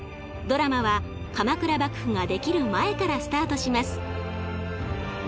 ドラマは鎌倉幕府が出来る前からスタートします。